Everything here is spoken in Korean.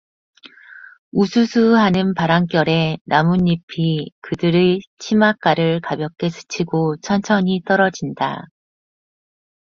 우수수 하는 바람결에 나뭇잎이 그들의 치맛가를 가볍게 스치고 천천히 떨어진다.